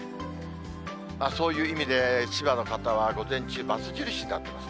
そういう意味で、千葉の方は午前中、ばつ印になってます。